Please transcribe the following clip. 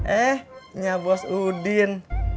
eh nya bos udin